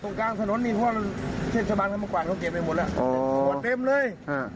ตรงกลางสนุนนี่เพราะเชษฐบังธรรมกวาลเขาเก็บไปหมดแล้วหมดเต็มเลย